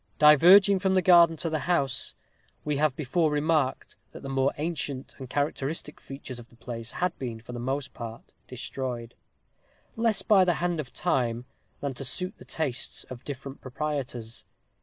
Diverging from the garden to the house, we have before remarked that the more ancient and characteristic features of the place had been, for the most part, destroyed; less by the hand of time than to suit the tastes of different proprietors.